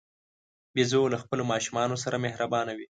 بیزو له خپلو ماشومانو سره مهربانه وي.